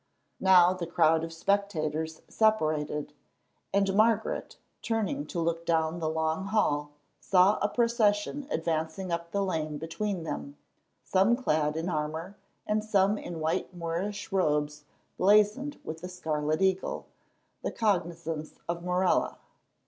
Now the crowd of spectators separated, and Margaret, turning to look down the long hall, saw a procession advancing up the lane between them, some clad in armour and some in white Moorish robes blazoned with the scarlet eagle, the cognisance of Morella.